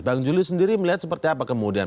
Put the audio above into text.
bang juli sendiri melihat seperti apa kemudian